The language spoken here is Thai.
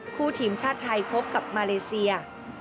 คู่ทีมชาติไทยพบกับมาเลเซีย